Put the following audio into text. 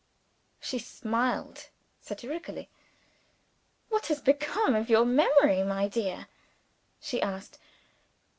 She smiled satirically. "What has become of your memory, my dear?" she asked.